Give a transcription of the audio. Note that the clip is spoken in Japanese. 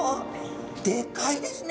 でかいですね！